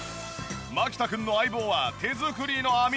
牧田君の相棒は手作りの網。